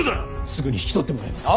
すぐに引き取ってもらいます。